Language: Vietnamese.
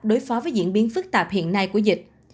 đối phó với diễn biến phức tạp hiện nay của dịch